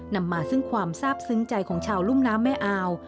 นำมาซึ่งความทราบซึ้งใจของชาวรุ่มน้ำแม่อาว